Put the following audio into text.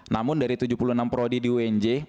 namun dari tujuh puluh enam prodi di unj